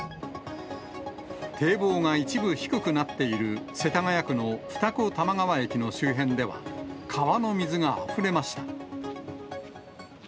堤防が一部低くなっている世田谷区の二子玉川駅の周辺では、川の水があふれました。